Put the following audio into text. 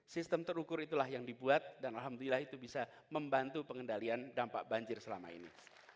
sistem terukur itulah yang dibuat dan alhamdulillah itu bisa membantu pengendalian dampak banjir selama ini